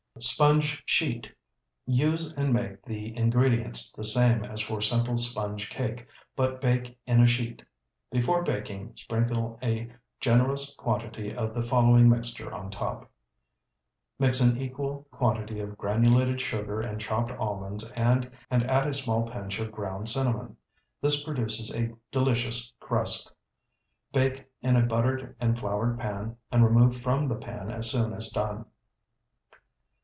SPONGE SHEET Use and make the ingredients the same as for Simple Sponge Cake, but bake in a sheet. Before baking, sprinkle a generous quantity of the following mixture on top: Mix an equal quantity of granulated sugar and chopped almonds and add a small pinch of ground cinnamon. This produces a delicious crust. Bake in a buttered and floured pan, and remove from the pan as soon as done.